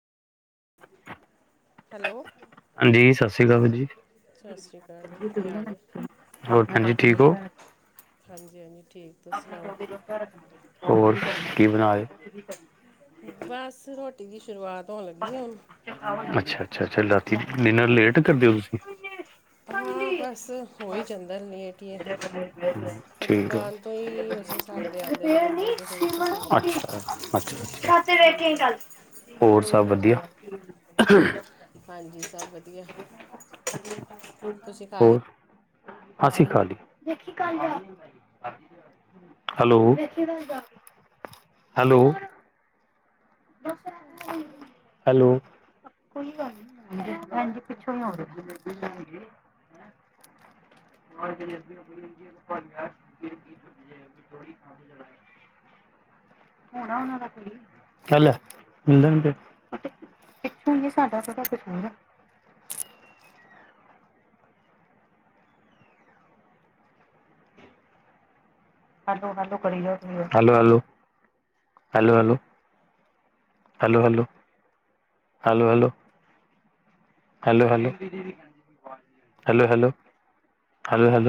Hello. ਹਾਂਜੀ ਸਤਿ ਸ਼੍ਰੀ ਅਕਾਲ ਵੀਰ ਜੀ ਸਤਿ ਸ੍ਰੀ ਅਕਾਲ ਜੀ। ਕੀ ਹਾਲ ਐ? ਹੋਰ ਭੈਜੀ ਠੀਕ ਹੋ। ਹਾਂਜੀ - ਹਾਂਜੀ। ਠੀਕ ਤੁਸੀ ਸੁਣਾਓ? ਹੋਰ ਕੀ ਬਣਾ ਰੇ ਓ। ਬਸ ਰੋਟੀ' ਦੀ ਸ਼ੁਰੂਆਤ ਹੋਣ ਲੱਗੀ ਆ। ਅੱਛਾ - ਅੱਛਾ - ਅੱਛਾ ਰਾਤੀ ਡਿਨਰ ਲੇਟ ਕਰਦੇਓ। ਤੁਸੀਂ ਹਾਂ ਬਸ ਹੋ ਹੀ ਜਾਂਦਾ ਲੇਟ ਹੀ ਹੈ ਫਿਰ ਠੀਕ ਆ। ਦੁਕਾਨ ਤੋਂ ਹੀ ਉਸੇ ਹਿਸਾਬ ਦੇ ਆਉਂਦੇ ਨੇ ਬੰਦੇ ਤੇ ਫਿਰ ਉਸੇ ਹਿਸਾਬ ਦੇ ਅੱਛਾ। ਹਾਂਜੀ [unintelligible] ਹੋਰ ਸਭ ਵਧੀਆ। ਹਾਂਜੀ ਸਭੀ ਵਧੀਆ। ਤੁਸੀਂ ਖਾ ਲਈ ਹੋਰ। ਸਤਿ ਸ੍ਰੀ ਅਕਾਲ ਜੀ। Hello - hello hello. ਕੋਈ ਗੱਲ ਨ ਹਜੀ ਪਿੱਛੋਂ ਆਂ। । ਹੋਣਾ ਉਹਨਾਂ ਦਾ ਕੋਈ। ਚ ਮਿਲਡ। Hello - hello. Hello - hello hello- hello. Hello- hello hello -hello. Hello -hello. Hello -hello